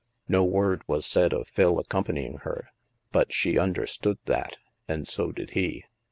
No word was said of Phil accompanying her, but she understood that, and so did he.